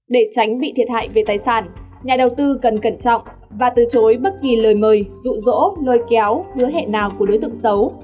để tránh bị thiệt hại về tài sản nhà đầu tư cần cẩn trọng và từ chối bất kỳ lời mời rụ rỗ lôi kéo hứa hẹn nào của đối tượng xấu